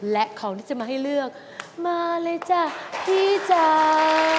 และของที่จะมาให้เลือกมาเลยจ้ะพี่จ้า